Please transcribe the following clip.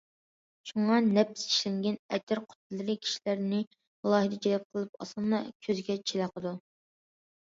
شۇڭا نەپىس ئىشلەنگەن ئەتىر قۇتىلىرى كىشىلەرنى ئالاھىدە جەلپ قىلىپ ئاسانلا كۆزگە چېلىقىدۇ.